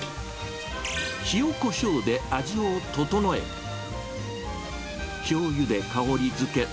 塩こしょうで味を調え、しょうゆで香りづけ。